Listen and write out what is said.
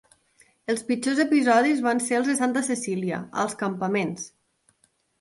Els pitjors episodis van ser els de Santa Cecília, als campaments.